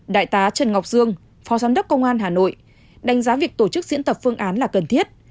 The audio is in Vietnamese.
đại tá trần ngọc dương phó giám đốc công an hà nội đánh giá việc tổ chức diễn tập phương án là cần thiết